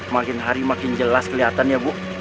makin hari makin jelas kelihatan ya bu